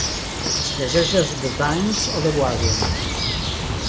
Llegeixes "The Times" o "The Guardian"?